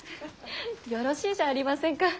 よろしいじゃありませんか。